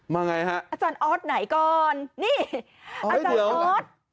ไงฮะอาจารย์ออสไหนก่อนนี่อาจารย์ออส